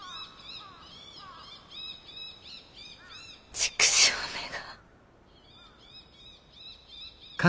畜生めが。